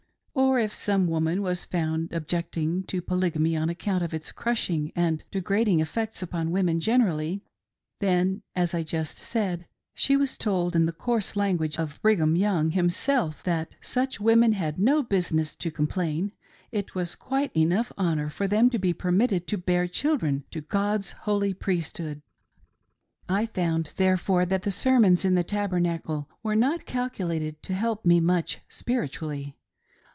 Or if some woman was found objecting to Polygamy on account of its crushing and degrading effects upon women generally, then, as I just said, she was told in the coarse language of Brigham Young himself that "such women had no business to complain; it was quite enough honor for them to be permitted to bear children to God's holy Priesthood." I found, therefore, that the sermons in the Tabernacle were not calculated to help me much spiritually.